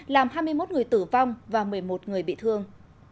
làm hai mươi một người tử vong và một mươi một người bị thương